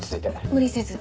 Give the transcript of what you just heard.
無理せず。